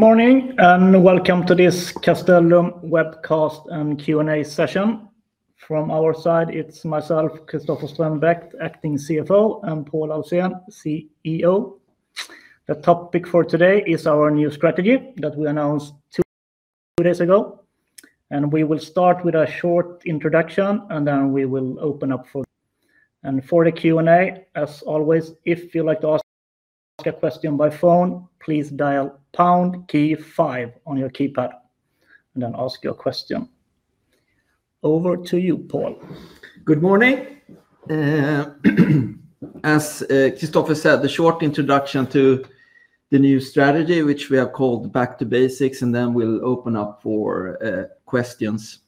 Morning and welcome to this Castellum webcast and Q&A session. From our side, it's myself, Christoffer Strömbäck, Acting CFO, and Pål Ahlsén, CEO. The topic for today is our new strategy that we announced two days ago. We will start with a short introduction, and then we will open up for Q&A. As always, if you'd like to ask a question by phone, please dial #Key5 on your keypad and then ask your question. Over to you, Pål. Good morning. As Christoffer said, the short introduction to the new strategy, which we have called Back to Basics, and then we'll open up for questions.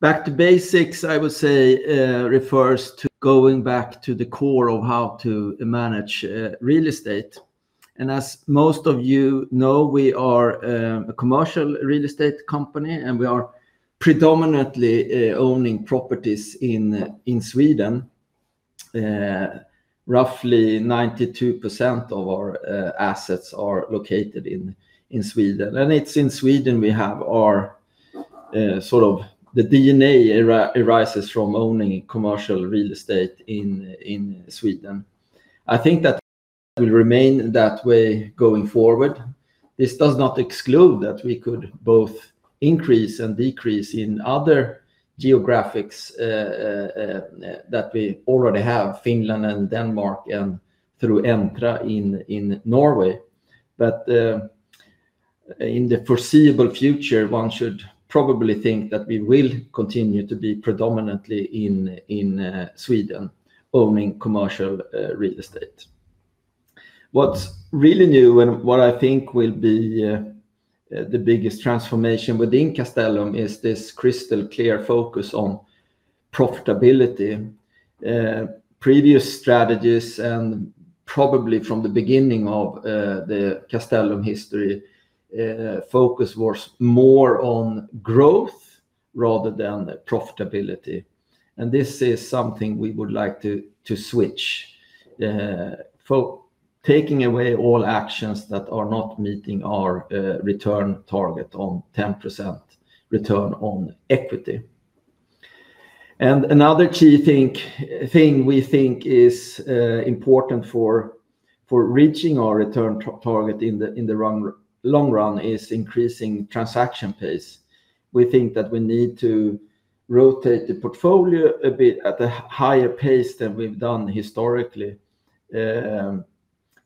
Back to Basics, I would say, refers to going back to the core of how to manage real estate. As most of you know, we are a commercial real estate company, and we are predominantly owning properties in Sweden. Roughly 92% of our assets are located in Sweden. It is in Sweden we have our sort of the DNA arises from owning commercial real estate in Sweden. I think that will remain that way going forward. This does not exclude that we could both increase and decrease in other geographics that we already have: Finland and Denmark and through Entra in Norway. In the foreseeable future, one should probably think that we will continue to be predominantly in Sweden owning commercial real estate. What's really new and what I think will be the biggest transformation within Castellum is this crystal clear focus on profitability. Previous strategies, and probably from the beginning of the Castellum history, focus was more on growth rather than profitability. This is something we would like to switch, taking away all actions that are not meeting our return target on 10% return on equity. Another key thing we think is important for reaching our return target in the long run is increasing transaction pace. We think that we need to rotate the portfolio a bit at a higher pace than we've done historically.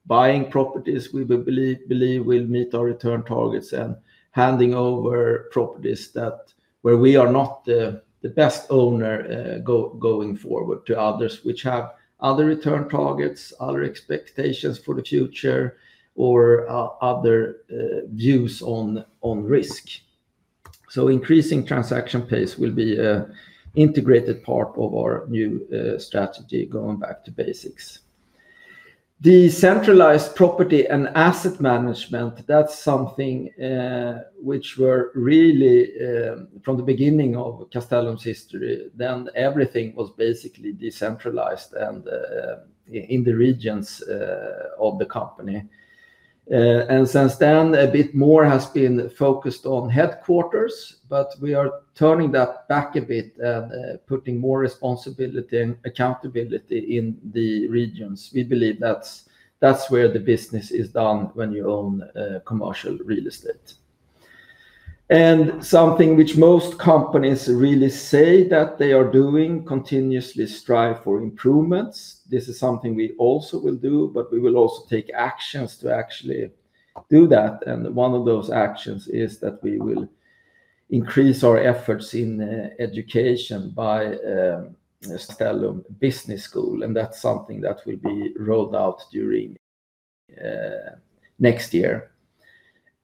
Buying properties we believe will meet our return targets and handing over properties where we are not the best owner going forward to others which have other return targets, other expectations for the future, or other views on risk. Increasing transaction pace will be an integrated part of our new strategy going back to basics. Decentralized property and asset management, that's something which we're really from the beginning of Castellum's history, then everything was basically decentralized and in the regions of the company. Since then, a bit more has been focused on headquarters, but we are turning that back a bit and putting more responsibility and accountability in the regions. We believe that's where the business is done when you own commercial real estate. Something which most companies really say that they are doing is continuously strive for improvements. This is something we also will do, but we will also take actions to actually do that. One of those actions is that we will increase our efforts in education by Castellum Business School. That is something that will be rolled out during next year.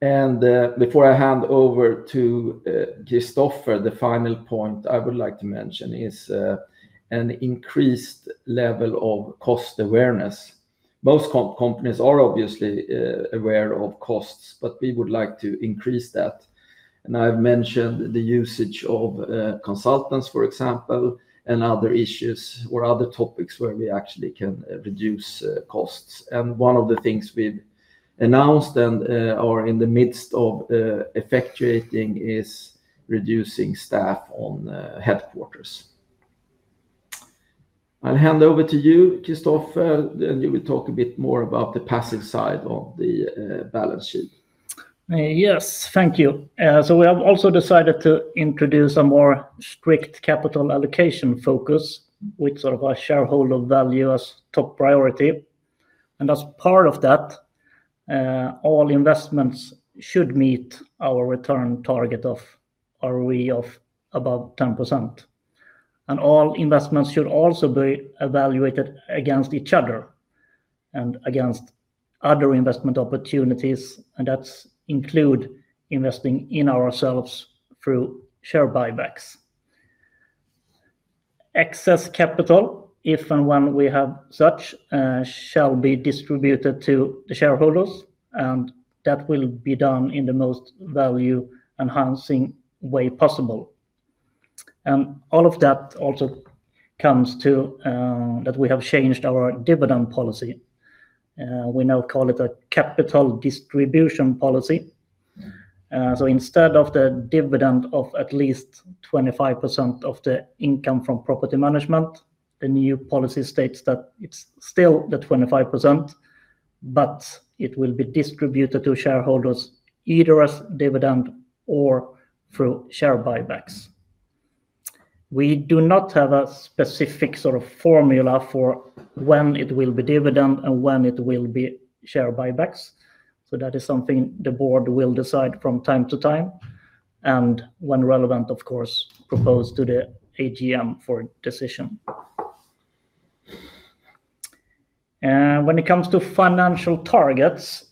Before I hand over to Christoffer, the final point I would like to mention is an increased level of cost awareness. Most companies are obviously aware of costs, but we would like to increase that. I have mentioned the usage of consultants, for example, and other issues or other topics where we actually can reduce costs. One of the things we have announced and are in the midst of effectuating is reducing staff on headquarters. I will hand over to you, Christoffer, and you will talk a bit more about the passive side of the balance sheet. Yes, thank you. We have also decided to introduce a more strict capital allocation focus with sort of our shareholder value as top priority. As part of that, all investments should meet our return target of ROE of above 10%. All investments should also be evaluated against each other and against other investment opportunities, and that includes investing in ourselves through share buybacks. Excess capital, if and when we have such, shall be distributed to the shareholders, and that will be done in the most value-enhancing way possible. All of that also comes to that we have changed our dividend policy. We now call it a capital distribution policy. Instead of the dividend of at least 25% of the income from property management, the new policy states that it's still the 25%, but it will be distributed to shareholders either as dividend or through share buybacks. We do not have a specific sort of formula for when it will be dividend and when it will be share buybacks. That is something the board will decide from time to time and when relevant, of course, propose to the AGM for decision. When it comes to financial targets,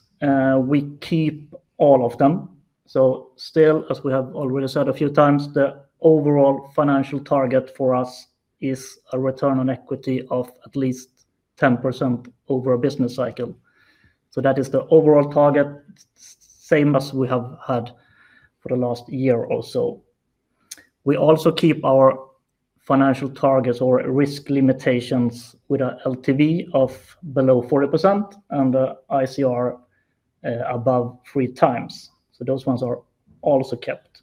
we keep all of them. Still, as we have already said a few times, the overall financial target for us is a return on equity of at least 10% over a business cycle. That is the overall target, same as we have had for the last year or so. We also keep our financial targets or risk limitations with an LTV of below 40% and an ICR above three times. Those ones are also kept.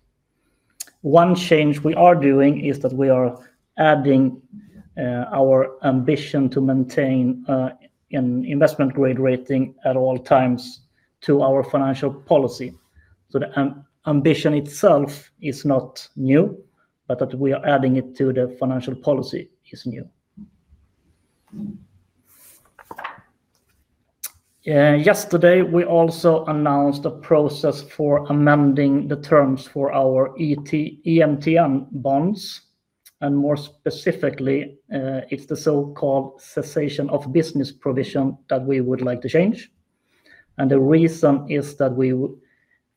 One change we are doing is that we are adding our ambition to maintain an investment grade rating at all times to our financial policy. The ambition itself is not new, but that we are adding it to the financial policy is new. Yesterday, we also announced a process for amending the terms for our EMTN bonds. More specifically, it is the so-called cessation of business provision that we would like to change. The reason is that we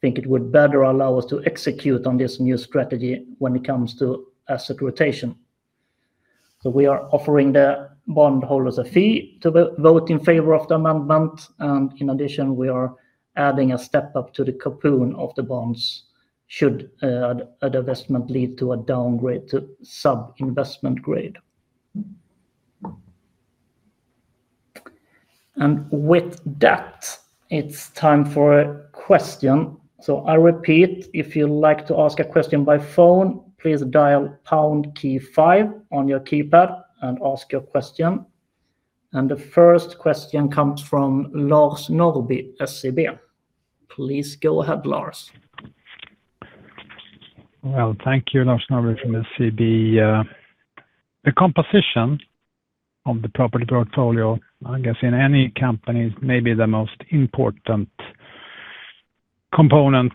think it would better allow us to execute on this new strategy when it comes to asset rotation. We are offering the bondholders a fee to vote in favor of the amendment. In addition, we are adding a step up to the coupon of the bonds should the investment lead to a downgrade to sub-investment grade. With that, it is time for a question. I repeat, if you would like to ask a question by phone, please dial #Key5 on your keypad and ask your question. The first question comes from Lars Norrby at SEB. Please go ahead, Lars. Thank you, Lars Norrby from SEB. The composition of the property portfolio, I guess in any company, may be the most important component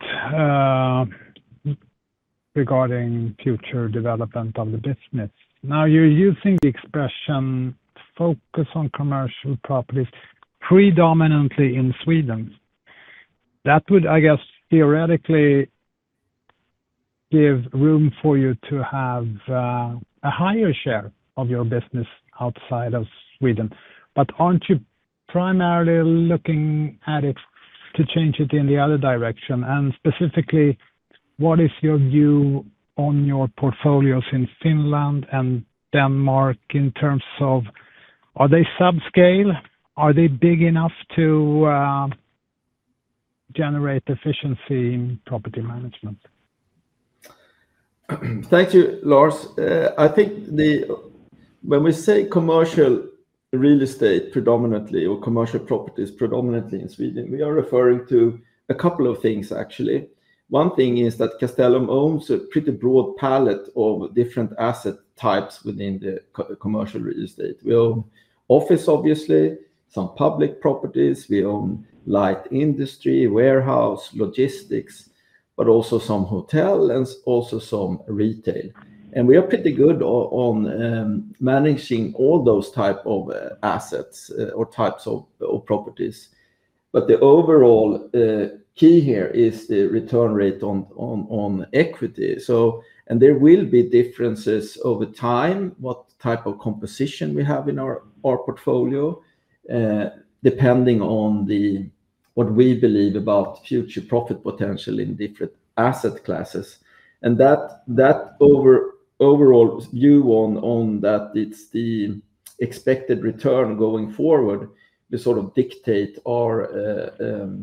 regarding future development of the business. Now, you're using the expression focus on commercial properties predominantly in Sweden. That would, I guess, theoretically give room for you to have a higher share of your business outside of Sweden. Aren't you primarily looking at it to change it in the other direction? Specifically, what is your view on your portfolios in Finland and Denmark in terms of are they subscale? Are they big enough to generate efficiency in property management? Thank you, Lars. I think when we say commercial real estate predominantly or commercial properties predominantly in Sweden, we are referring to a couple of things, actually. One thing is that Castellum owns a pretty broad palette of different asset types within the commercial real estate. We own office, obviously, some public properties. We own light industry, warehouse, logistics, but also some hotel and also some retail. We are pretty good on managing all those types of assets or types of properties. The overall key here is the return rate on equity. There will be differences over time, what type of composition we have in our portfolio, depending on what we believe about future profit potential in different asset classes. That overall view on that, it's the expected return going forward. We sort of dictate where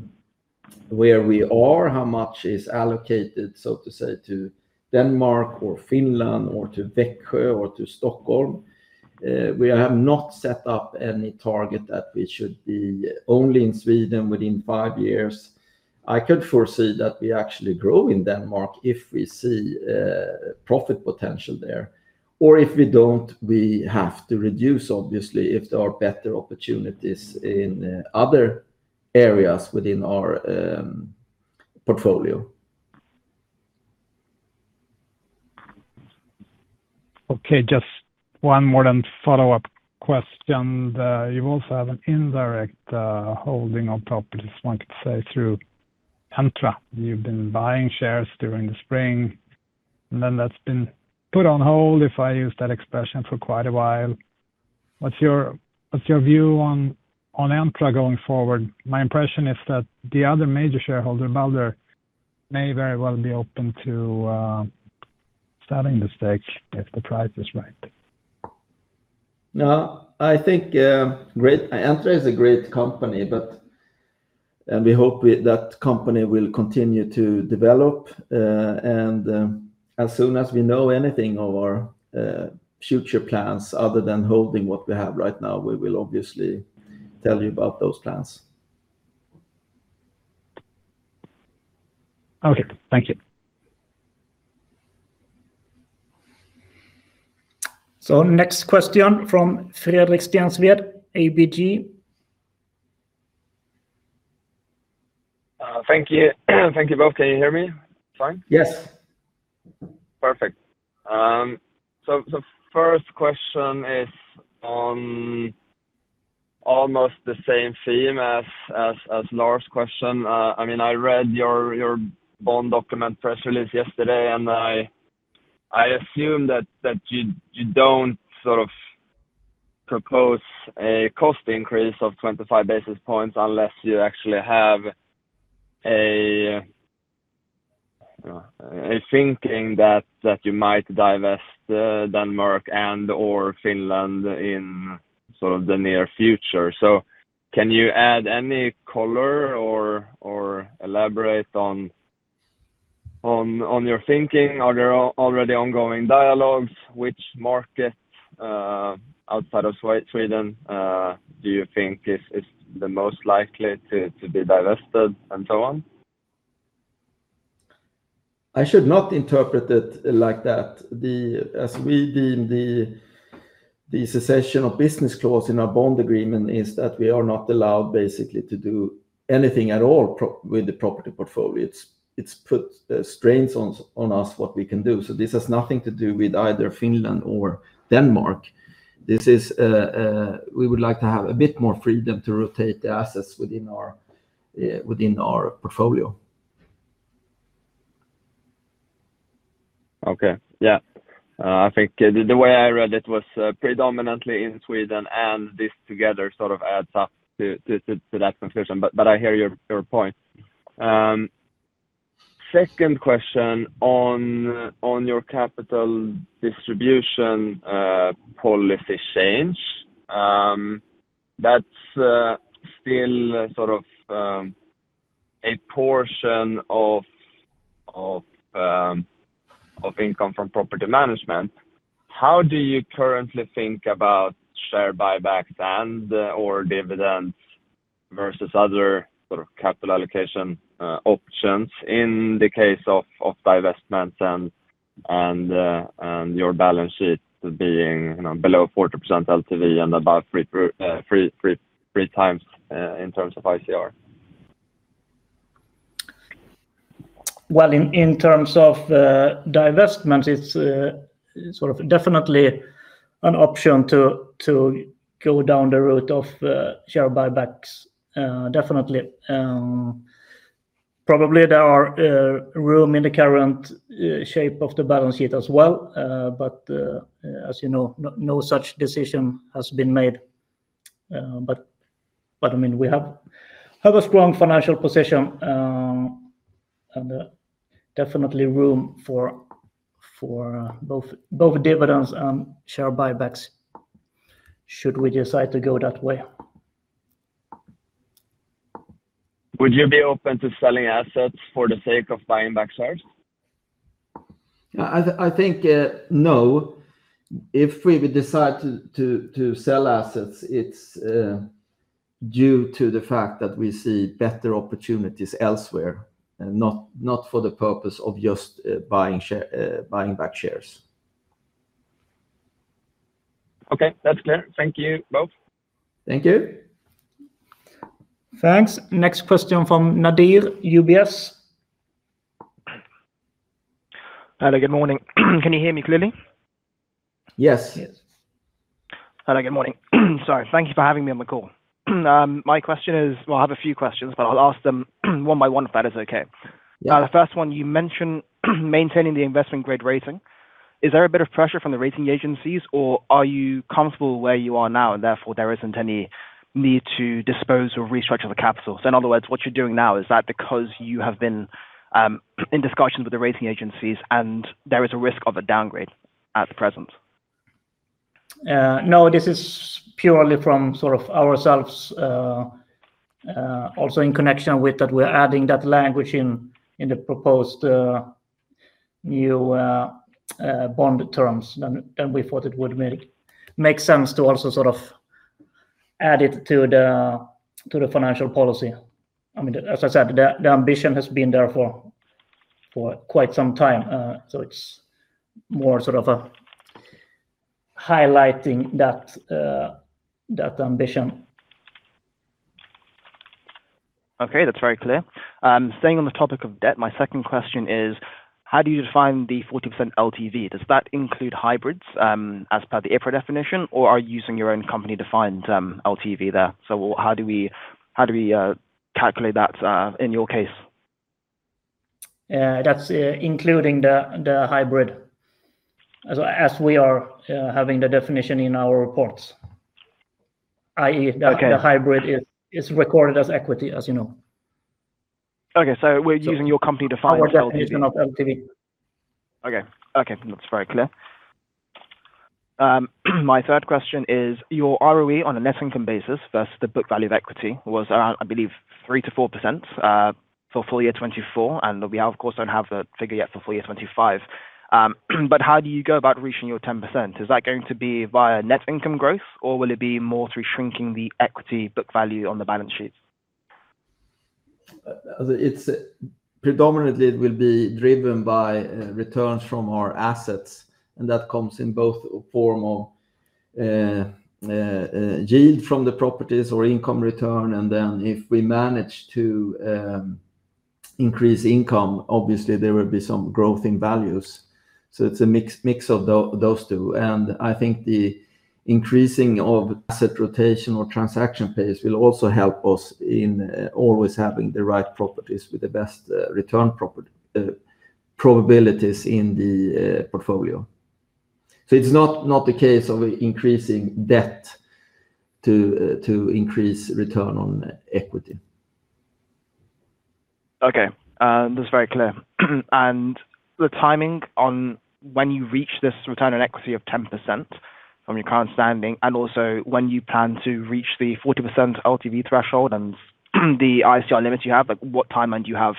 we are, how much is allocated, so to say, to Denmark or Finland or to Växjö or to Stockholm. We have not set up any target that we should be only in Sweden within five years. I could foresee that we actually grow in Denmark if we see profit potential there. Or if we do not, we have to reduce, obviously, if there are better opportunities in other areas within our portfolio. Okay, just one more follow-up question. You also have an indirect holding of properties, one could say, through Entra. You've been buying shares during the spring, and then that's been put on hold, if I use that expression, for quite a while. What's your view on Entra going forward? My impression is that the other major shareholder, Balder, may very well be open to selling the stake if the price is right. No, I think Entra is a great company, and we hope that company will continue to develop. As soon as we know anything of our future plans other than holding what we have right now, we will obviously tell you about those plans. Okay, thank you. Next question from Fredrik Stensved, ABG. Thank you. Thank you both. Can you hear me fine? Yes. Perfect. The first question is on almost the same theme as Lars' question. I mean, I read your bond document press release yesterday, and I assume that you do not sort of propose a cost increase of 25 basis points unless you actually have a thinking that you might divest Denmark and/or Finland in sort of the near future. Can you add any color or elaborate on your thinking? Are there already ongoing dialogues? Which market outside of Sweden do you think is the most likely to be divested and so on? I should not interpret it like that. As we deem the cessation of business clause in our bond agreement, it is that we are not allowed basically to do anything at all with the property portfolio. It puts strains on us what we can do. This has nothing to do with either Finland or Denmark. We would like to have a bit more freedom to rotate the assets within our portfolio. Okay, yeah. I think the way I read it was predominantly in Sweden, and this together sort of adds up to that conclusion. I hear your point. Second question on your capital distribution policy change. That's still sort of a portion of income from property management. How do you currently think about share buybacks and/or dividends versus other sort of capital allocation options in the case of divestments and your balance sheet being below 40% LTV and above three times in terms of ICR? In terms of divestment, it's sort of definitely an option to go down the route of share buybacks, definitely. Probably there are room in the current shape of the balance sheet as well. As you know, no such decision has been made. I mean, we have a strong financial position and definitely room for both dividends and share buybacks should we decide to go that way. Would you be open to selling assets for the sake of buying back shares? I think no. If we decide to sell assets, it's due to the fact that we see better opportunities elsewhere, not for the purpose of just buying back shares. Okay, that's clear. Thank you both. Thank you. Thanks. Next question from Nadir, UBS. Hello, good morning. Can you hear me clearly? Yes. Hello, good morning. Sorry. Thank you for having me on the call. My question is, I have a few questions, but I'll ask them one by one if that is okay. The first one, you mentioned maintaining the investment grade rating. Is there a bit of pressure from the rating agencies, or are you comfortable where you are now, and therefore there isn't any need to dispose or restructure the capital? In other words, what you're doing now, is that because you have been in discussions with the rating agencies and there is a risk of a downgrade at present? No, this is purely from sort of ourselves, also in connection with that we're adding that language in the proposed new bond terms. I mean, we thought it would make sense to also sort of add it to the financial policy. I mean, as I said, the ambition has been there for quite some time. It is more sort of highlighting that ambition. Okay, that's very clear. Staying on the topic of debt, my second question is, how do you define the 40% LTV? Does that include hybrids as per the EPRA definition, or are you using your own company-defined LTV there? How do we calculate that in your case? That's including the hybrid, as we are having the definition in our reports, i.e., that the hybrid is recorded as equity, as you know. Okay, so we're using your company-defined LTV. Our company is not LTV. Okay, okay. That's very clear. My third question is, your ROE on a net income basis versus the book value of equity was around, I believe, 3%-4% for full year 2024. We of course do not have that figure yet for full year 2025. How do you go about reaching your 10%? Is that going to be via net income growth, or will it be more through shrinking the equity book value on the balance sheet? Predominantly, it will be driven by returns from our assets. That comes in both form of yield from the properties or income return. If we manage to increase income, obviously, there will be some growth in values. It is a mix of those two. I think the increasing of asset rotation or transaction pace will also help us in always having the right properties with the best return probabilities in the portfolio. It is not the case of increasing debt to increase return on equity. Okay, that's very clear. The timing on when you reach this return on equity of 10% from your current standing, and also when you plan to reach the 40% LTV threshold and the ICR limits you have, what timeline do you have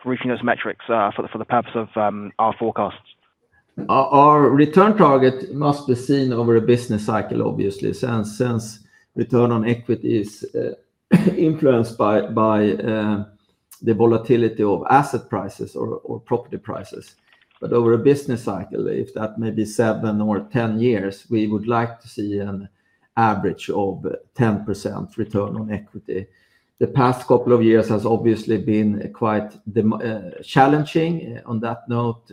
for reaching those metrics for the purpose of our forecasts? Our return target must be seen over a business cycle, obviously, since return on equity is influenced by the volatility of asset prices or property prices. Over a business cycle, if that may be 7 or 10 years, we would like to see an average of 10% return on equity. The past couple of years has obviously been quite challenging on that note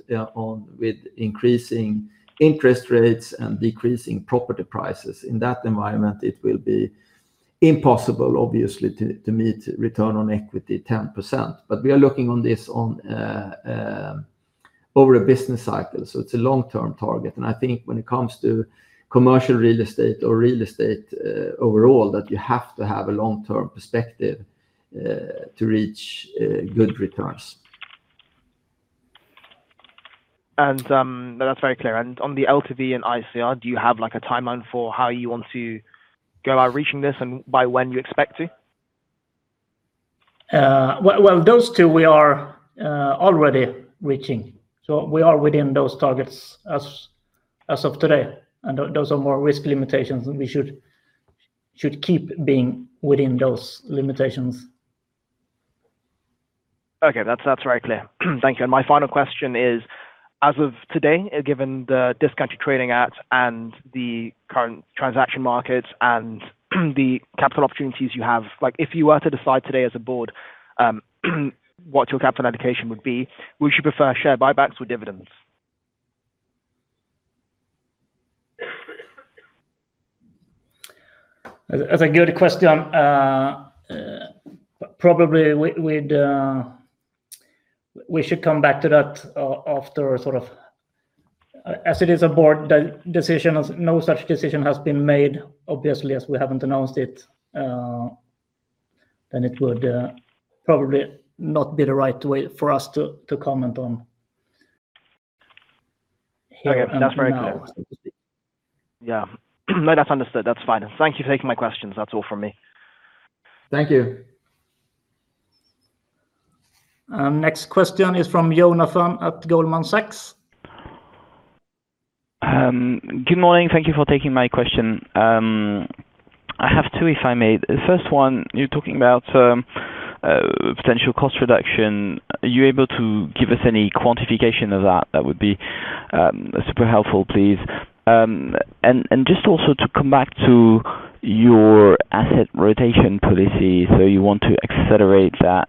with increasing interest rates and decreasing property prices. In that environment, it will be impossible, obviously, to meet return on equity 10%. We are looking on this over a business cycle. It is a long-term target. I think when it comes to commercial real estate or real estate overall, that you have to have a long-term perspective to reach good returns. That's very clear. On the LTV and ICR, do you have a timeline for how you want to go about reaching this and by when you expect to? Those two, we are already reaching. We are within those targets as of today. Those are more risk limitations, and we should keep being within those limitations. Okay, that's very clear. Thank you. My final question is, as of today, given the discount you're trading at and the current transaction markets and the capital opportunities you have, if you were to decide today as a board what your capital allocation would be, would you prefer share buybacks or dividends? That's a good question. Probably we should come back to that after, as it is a board decision. No such decision has been made, obviously, as we haven't announced it. It would probably not be the right way for us to comment on. Okay, that's very clear. Yeah. No, that's understood. That's fine. Thank you for taking my questions. That's all from me. Thank you. Next question is from Jonathan at Goldman Sachs. Good morning. Thank you for taking my question. I have two, if I may. The first one, you're talking about potential cost reduction. Are you able to give us any quantification of that? That would be super helpful, please. Just also to come back to your asset rotation policy, you want to accelerate that,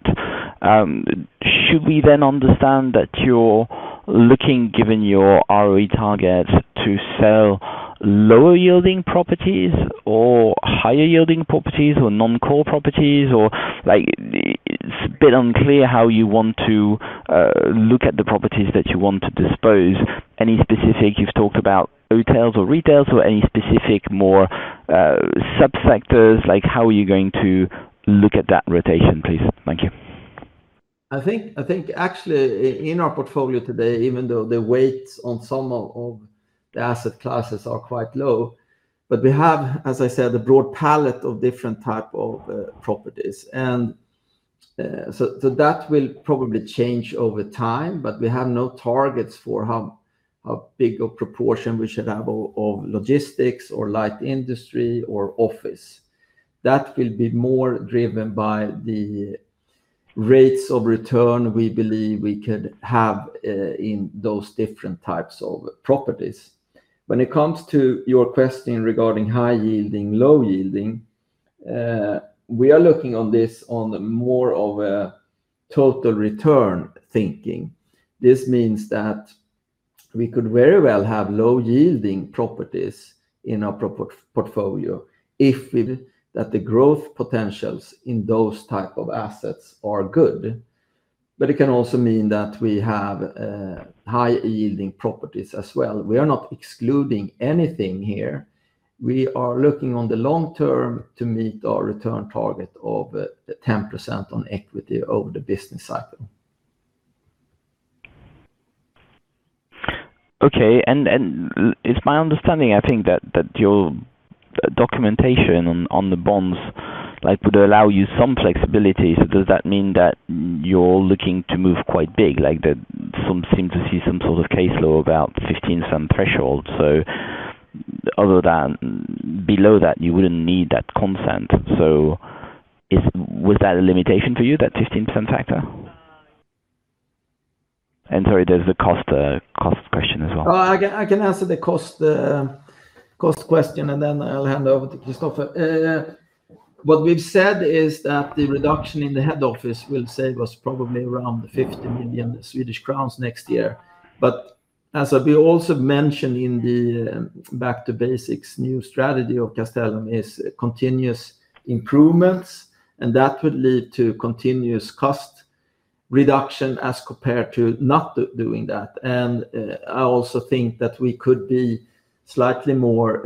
should we then understand that you're looking, given your ROE target, to sell lower-yielding properties or higher-yielding properties or non-core properties? It is a bit unclear how you want to look at the properties that you want to dispose. Any specific? You've talked about hotels or retails or any specific more sub-sectors. How are you going to look at that rotation, please? Thank you. I think actually in our portfolio today, even though the weights on some of the asset classes are quite low, we have, as I said, a broad palette of different types of properties. That will probably change over time, but we have no targets for how big a proportion we should have of logistics or light industry or office. That will be more driven by the rates of return we believe we could have in those different types of properties. When it comes to your question regarding high-yielding, low-yielding, we are looking on this on more of a total return thinking. This means that we could very well have low-yielding properties in our portfolio if the growth potentials in those types of assets are good. It can also mean that we have high-yielding properties as well. We are not excluding anything here. We are looking on the long term to meet our return target of 10% on equity over the business cycle. Okay. It is my understanding, I think, that your documentation on the bonds would allow you some flexibility. Does that mean that you are looking to move quite big? Some seem to see some sort of case law about a 15% threshold. Below that, you would not need that consent. Was that a limitation for you, that 15% factor? Sorry, there is the cost question as well. I can answer the cost question, and then I'll hand it over to Christoffer. What we've said is that the reduction in the head office will save us probably around 50 million Swedish crowns next year. As we also mentioned in the Back to Basics new strategy of Castellum, it's continuous improvements, and that would lead to continuous cost reduction as compared to not doing that. I also think that we could be slightly more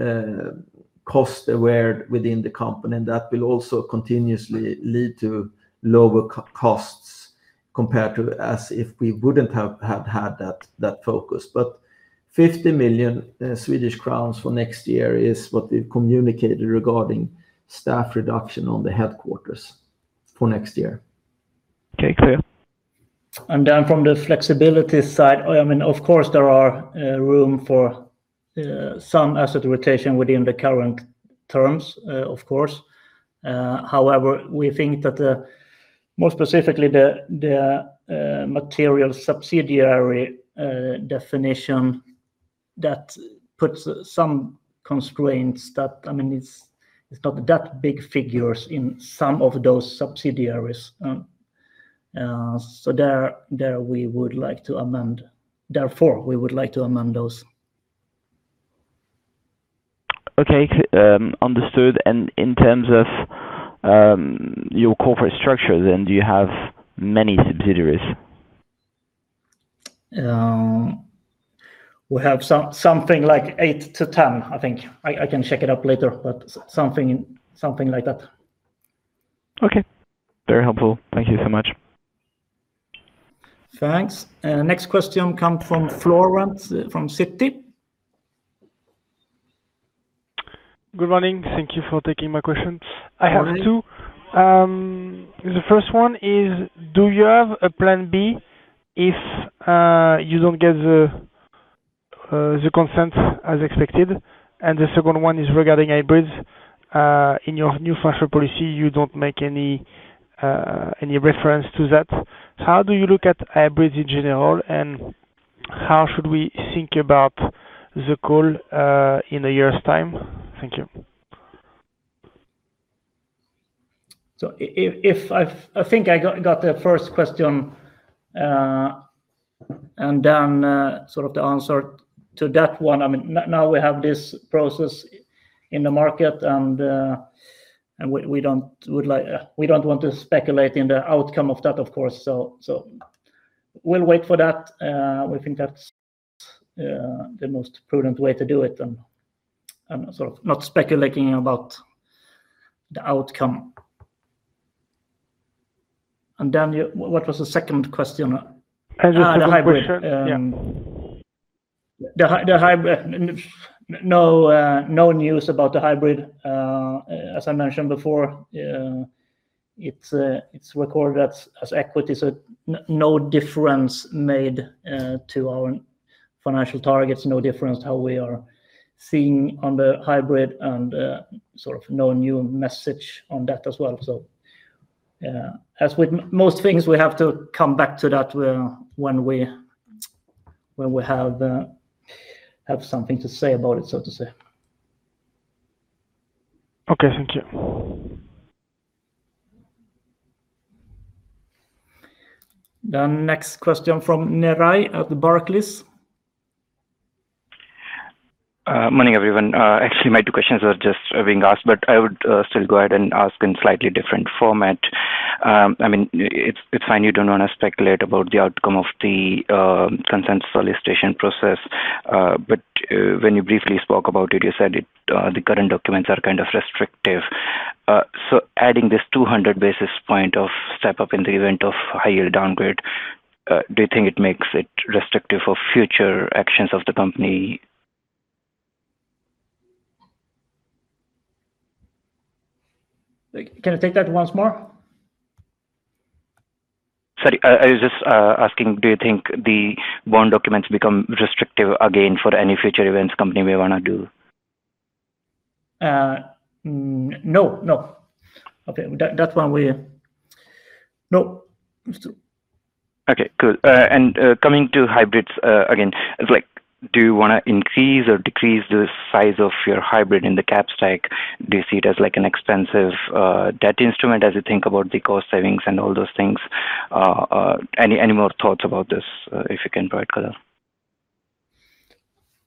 cost-aware within the company, and that will also continuously lead to lower costs compared to as if we wouldn't have had that focus. 50 million Swedish crowns for next year is what we've communicated regarding staff reduction on the headquarters for next year. Okay, clear. From the flexibility side, I mean, of course, there is room for some asset rotation within the current terms, of course. However, we think that more specifically, the material subsidiary definition that puts some constraints that, I mean, it's not that big figures in some of those subsidiaries. So there we would like to amend. Therefore, we would like to amend those. Okay, understood. In terms of your corporate structure, then do you have many subsidiaries? We have something like eight to ten, I think. I can check it up later, but something like that. Okay. Very helpful. Thank you so much. Thanks. Next question comes from [Florence] from Citi. Good morning. Thank you for taking my question. I have two. The first one is, do you have a plan B if you do not get the consent as expected? The second one is regarding hybrids. In your new financial policy, you do not make any reference to that. How do you look at hybrids in general, and how should we think about the call in a year's time? Thank you. I think I got the first question, and then sort of the answer to that one. I mean, now we have this process in the market, and we do not want to speculate in the outcome of that, of course. We will wait for that. We think that is the most prudent way to do it and sort of not speculating about the outcome. And then what was the second question? As of now, for sure. The hybrid, no news about the hybrid. As I mentioned before, it's recorded as equity. No difference made to our financial targets, no difference how we are seeing on the hybrid, and sort of no new message on that as well. As with most things, we have to come back to that when we have something to say about it, so to say. Okay, thank you. Next question from Neeraj at Barclays. Morning, everyone. Actually, my two questions are just being asked, but I would still go ahead and ask in a slightly different format. I mean, it's fine you don't want to speculate about the outcome of the consent solicitation process, but when you briefly spoke about it, you said the current documents are kind of restrictive. So adding this 200 basis point of step-up in the event of high-yield downgrade, do you think it makes it restrictive for future actions of the company? Can you take that once more? Sorry, I was just asking, do you think the bond documents become restrictive again for any future events the company may want to do? No, no. Okay, that one we know. Okay, cool. Coming to hybrids again, do you want to increase or decrease the size of your hybrid in the cap stack? Do you see it as an expensive debt instrument as you think about the cost savings and all those things? Any more thoughts about this if you can provide color?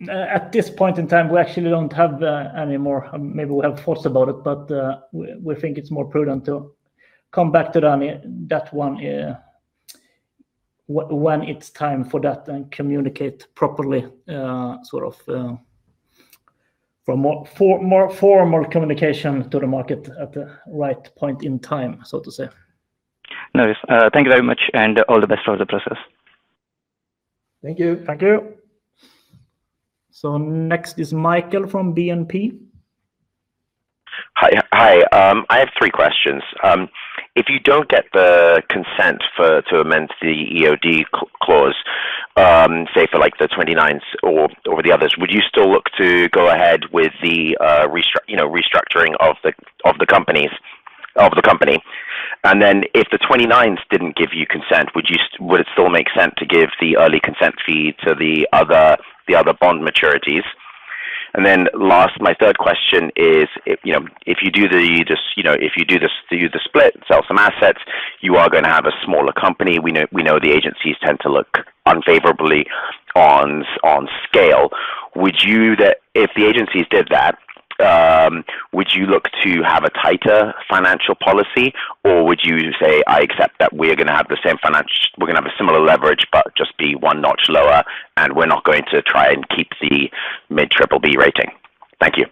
At this point in time, we actually don't have any more. Maybe we have thoughts about it, but we think it's more prudent to come back to that one when it's time for that and communicate properly, sort of formal communication to the market at the right point in time, so to say. Nice. Thank you very much, and all the best for the process. Thank you. Thank you. Next is Michael from BNP. Hi, I have three questions. If you do not get the consent to amend the EOD clause, say for the 29s or the others, would you still look to go ahead with the restructuring of the company? If the 29s did not give you consent, would it still make sense to give the early consent fee to the other bond maturities? My third question is, if you do the split, sell some assets, you are going to have a smaller company. We know the agencies tend to look unfavorably on scale. If the agencies did that, would you look to have a tighter financial policy, or would you say, "I accept that we're going to have the same financial, we're going to have a similar leverage, but just be one notch lower, and we're not going to try and keep the mid BBB rating"? Thank you.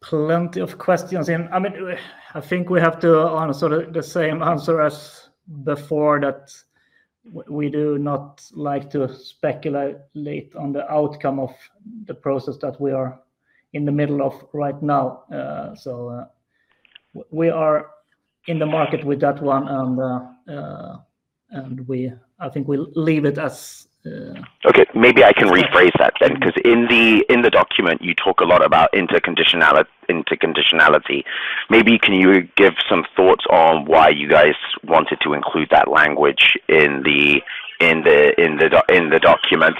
Plenty of questions. I mean, I think we have to answer the same answer as before, that we do not like to speculate late on the outcome of the process that we are in the middle of right now. We are in the market with that one, and I think we'll leave it as. Okay, maybe I can rephrase that then, because in the document, you talk a lot about interconditionality. Maybe can you give some thoughts on why you guys wanted to include that language in the document?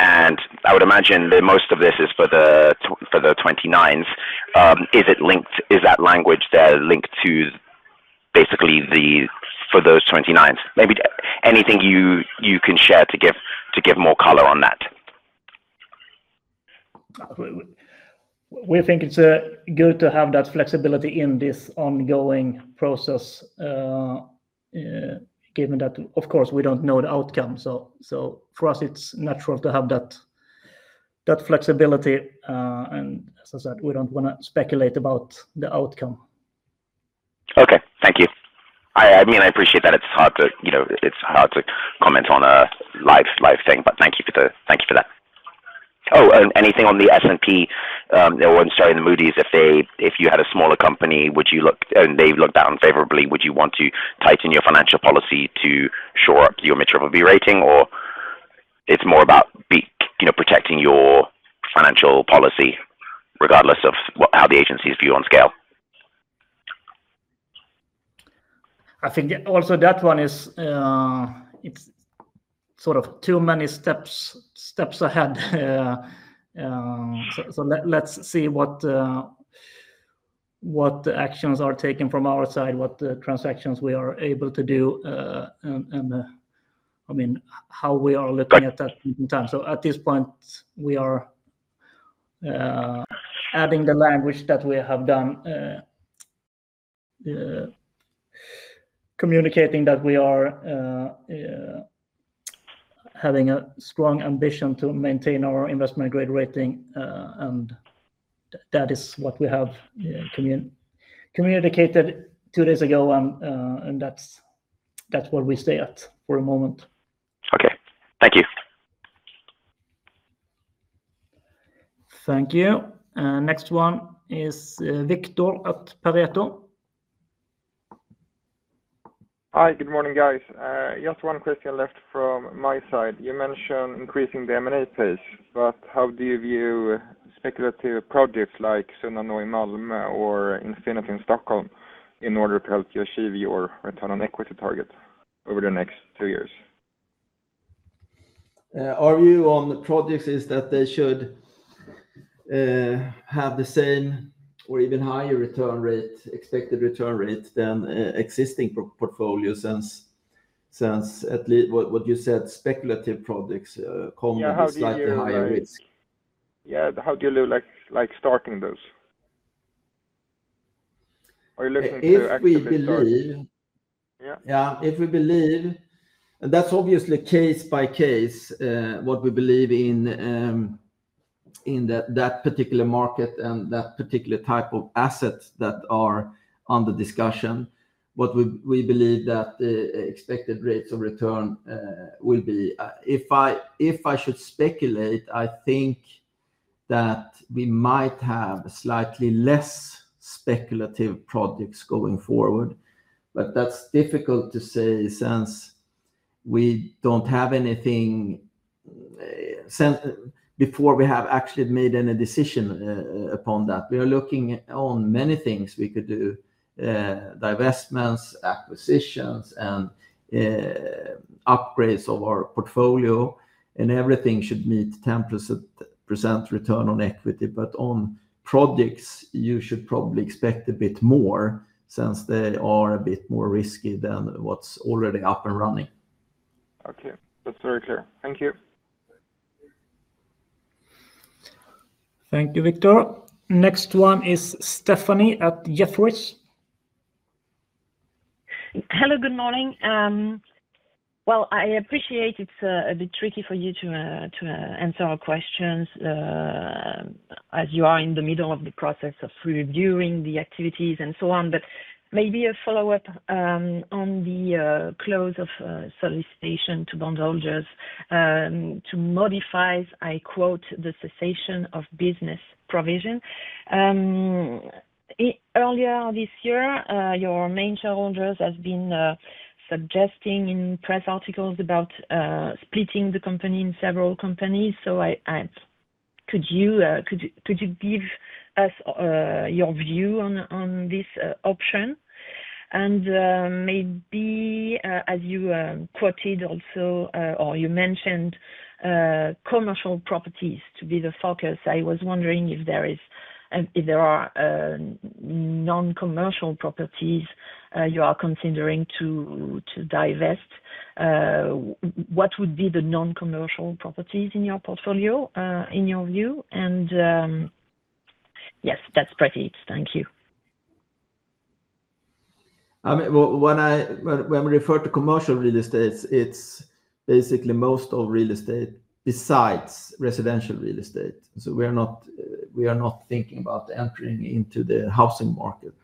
I would imagine that most of this is for the 29s. Is that language there linked to basically for those 29s? Maybe anything you can share to give more color on that? We think it's good to have that flexibility in this ongoing process, given that, of course, we don't know the outcome. For us, it's natural to have that flexibility. As I said, we don't want to speculate about the outcome. Okay, thank you. I mean, I appreciate that. It's hard to comment on a live thing, but thank you for that. Oh, and anything on the S&P? Oh, I'm sorry, in the Moody's, if you had a smaller company, and they looked at unfavorably, would you want to tighten your financial policy to shore up your mid BBB rating, or it's more about protecting your financial policy regardless of how the agencies view on scale? I think also that one is sort of too many steps ahead. Let's see what the actions are taken from our side, what transactions we are able to do, and I mean, how we are looking at that in time. At this point, we are adding the language that we have done, communicating that we are having a strong ambition to maintain our investment grade rating, and that is what we have communicated two days ago, and that's what we stay at for the moment. Okay, thank you. Thank you. Next one is Viktor at Pareto. Hi, good morning, guys. Just one question left from my side. You mentioned increasing the M&A pace, but how do you view speculative projects like Sunnanå in Malmö or Infinity in Stockholm in order to help you achieve your return on equity target over the next two years? Our view on the projects is that they should have the same or even higher return rate, expected return rate than existing portfolios since, at least what you said, speculative projects come with a slightly higher risk. Yeah, how do you look like starting those? Are you looking to actually? If we believe. Yeah? Yeah, if we believe. That is obviously case by case what we believe in that particular market and that particular type of asset that are under discussion. What we believe that the expected rates of return will be. If I should speculate, I think that we might have slightly less speculative projects going forward, but that is difficult to say since we do not have anything before we have actually made any decision upon that. We are looking on many things we could do, divestments, acquisitions, and upgrades of our portfolio, and everything should meet 10% return on equity. On projects, you should probably expect a bit more since they are a bit more risky than what is already up and running. Okay, that's very clear. Thank you. Thank you, Victor. Next one is Stéphanie at Jefferies. Hello, good morning. I appreciate it's a bit tricky for you to answer our questions as you are in the middle of the process of reviewing the activities and so on, but maybe a follow-up on the close of solicitation to bondholders to modify, I quote, the cessation of business provision. Earlier this year, your main shareholders have been suggesting in press articles about splitting the company in several companies. Could you give us your view on this option? As you quoted also or you mentioned commercial properties to be the focus, I was wondering if there are non-commercial properties you are considering to divest. What would be the non-commercial properties in your portfolio in your view? Yes, that's pretty. Thank you. When we refer to commercial real estate, it's basically most of real estate besides residential real estate. We are not thinking about entering into the housing market,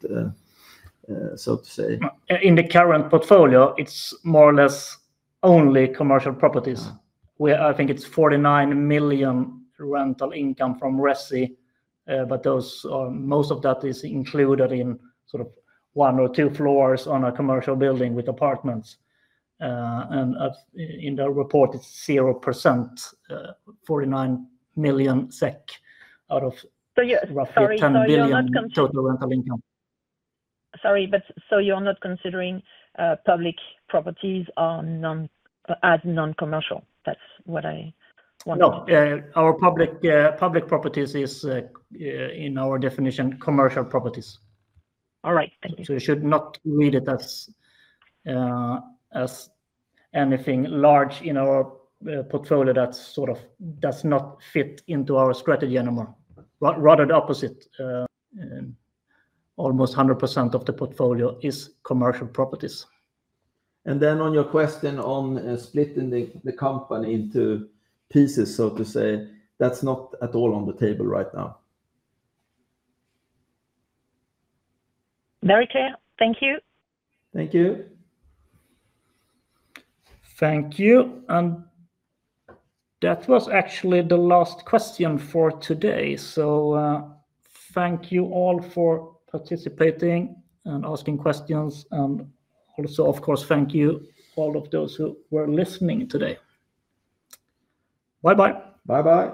so to say. In the current portfolio, it's more or less only commercial properties. I think it's 49 million rental income from RESI, but most of that is included in sort of one or two floors on a commercial building with apartments. And in the report, it's 0%, 49 million SEK out of roughly 10 billion total rental income. Sorry, but you're not considering public properties as non-commercial? That's what I wanted to ask. No, our public properties is, in our definition, commercial properties. All right, thank you. You should not read it as anything large in our portfolio that sort of does not fit into our strategy anymore. Rather the opposite. Almost 100% of the portfolio is commercial properties. On your question on splitting the company into pieces, so to say, that's not at all on the table right now. Very clear. Thank you. Thank you. Thank you. That was actually the last question for today. Thank you all for participating and asking questions. Also, of course, thank you to all of those who were listening today. Bye-bye. Bye-bye.